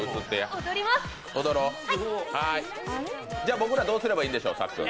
僕らどうすればいいんでしょう、さっくん。